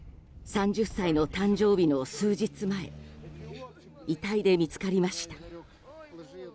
３０歳の誕生日の数日前遺体で見つかりました。